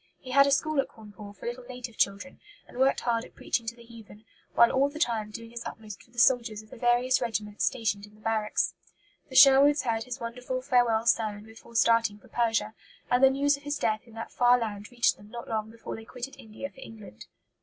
He had a school at Cawnpore for little native children; and worked hard at preaching to the heathen; while all the time doing his utmost for the soldiers of the various regiments stationed in the barracks. The Sherwoods heard his wonderful farewell sermon before starting for Persia; and the news of his death in that far land reached them not long before they quitted India for England.